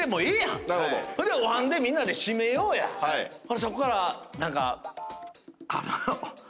そこから何か。